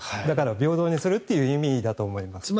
だから、平等にするという意味だと思います。